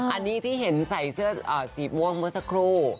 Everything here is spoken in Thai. อ๋ออันนี้ที่เห็นใส่เสื้อสีบ้วนของสักครู่